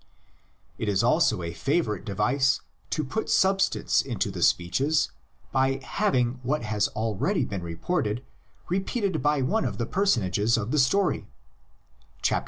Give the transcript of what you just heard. It is also a favorite device to put substance into the speeches by having what has already been reported repeated by one of the personages of the story (xliii.